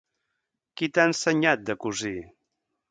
Qui t'ha ensenyat de cosir?